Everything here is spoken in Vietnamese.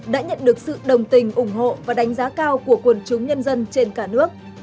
đã nhận được sự đồng tình ủng hộ và đánh giá cao của quần chúng nhân dân trên cả nước